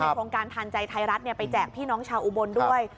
โครงการทานใจไทยรัฐไปแจกพี่น้องชาวอุบลด้วย